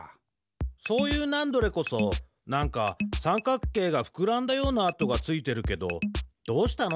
そういうナンドレこそなんかさんかくけいがふくらんだような跡がついてるけどどうしたの？